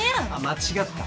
間違った。